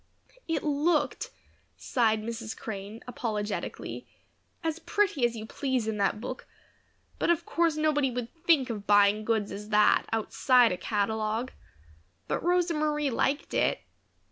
"It looked," sighed Mrs. Crane, apologetically, "as pretty as you please in that book; but of course nobody would think of buying such goods as that outside a catalogue. But Rosa Marie liked it."